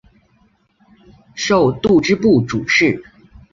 授度支部主事。